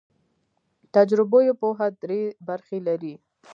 تجربوي پوهه درې برخې لري.